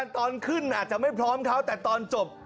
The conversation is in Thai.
ตอนขึ้นอาจจะไม่พร้อมเขาแต่ตอนจบ